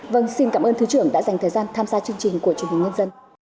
vâng xin cảm ơn thứ trưởng đã dành thời gian tham gia chương trình của truyền hình nhân dân